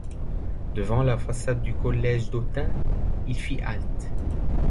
Devant la façade du collège d'Autun il fit halte.